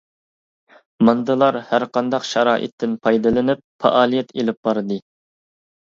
ماندىلا ھەرقانداق شارائىتتىن پايدىلىنىپ پائالىيەت ئېلىپ باردى.